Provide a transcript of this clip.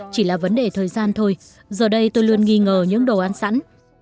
chỉ là vấn đề thời gian thôi giờ đây tôi luôn nghi ngờ những đồ ăn sẵn